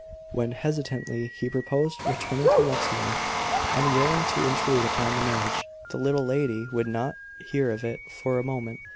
When, hesitatingly, he proposed returning to Luxmore, unwilling to intrude upon the marriage, the little lady would not hear of it for a moment.